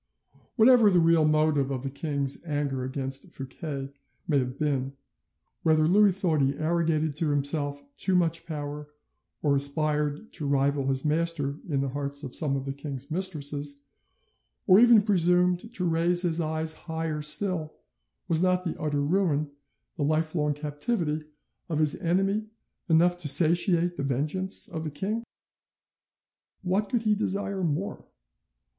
Whatever the real motive of the king's anger against Fouquet may have been, whether Louis thought he arrogated to himself too much power, or aspired to rival his master in the hearts of some of the king's mistresses, or even presumed to raise his eyes higher still, was not the utter ruin, the lifelong captivity, of his enemy enough to satiate the vengeance of the king? What could he desire more?